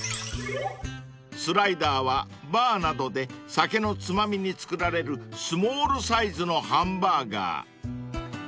［スライダーはバーなどで酒のつまみに作られるスモールサイズのハンバーガー］